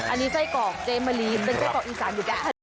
อันนี้ไส้กอกเจ๊มะลีเป็นไส้กอกอิสานอยู่แบบนี้